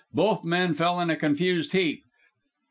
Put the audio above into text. Both men fell in a confused heap.